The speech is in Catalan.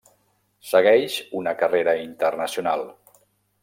Segueix una carrera internacional.